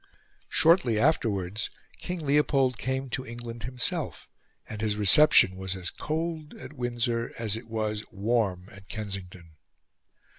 Shortly afterwards King Leopold came to England himself, and his reception was as cold at Windsor as it was warm at Kensington.